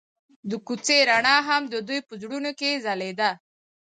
د کوڅه رڼا هم د دوی په زړونو کې ځلېده.